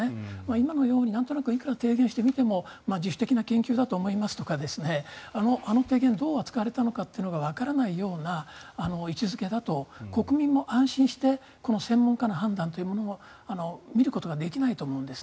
今のようになんとなくいくら提言してみても自主的な研究だと思いますとかあの提言をどう扱われたのかがわからないような位置付けだと国民も安心してこの専門家の判断を見ることができないと思うんです。